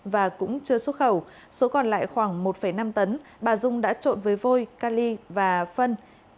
và cũng chưa xuất khẩu số còn lại khoảng một năm tấn bà dung đã trộn với vôi cali và phân